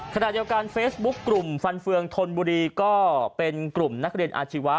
ขณะเดียวกันเฟซบุ๊คกลุ่มฟันเฟืองธนบุรีก็เป็นกลุ่มนักเรียนอาชีวะ